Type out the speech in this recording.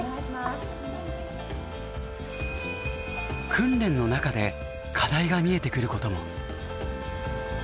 訓練の中で課題が見えてくることも。